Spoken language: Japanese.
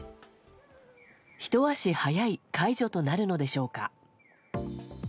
ひと足早い解除となるのでしょうか。